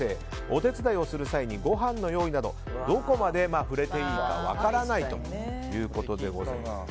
お手伝いをする際にごはんの用意などどこまで触れていいか分からないということです。